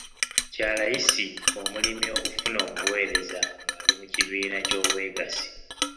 Kya layisi omulimi okufuna obuweereza nga ali mu kibiina ky'obwegassi.